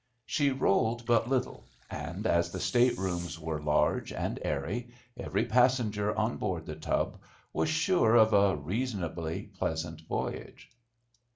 She rolled but little; and as the state rooms were large and airy, every passenger on board The Tub was sure of a reasonably pleasant voyage.